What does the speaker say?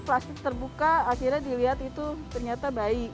plastik terbuka akhirnya dilihat itu ternyata bayi